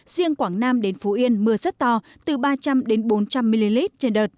riêng quảng nam đến phú yên mưa rất to từ ba trăm linh bốn trăm linh ml trên đợt